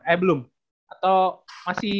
eh belum atau masih